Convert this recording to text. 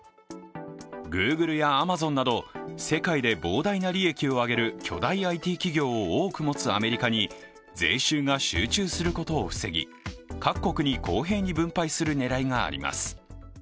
Ｇｏｏｇｌｅやアマゾンなど世界で膨大な利益を上げる巨大ＩＴ企業を多く持つアメリカに税収が集中することを防ぎ、各国に公平に分配する狙いがあります。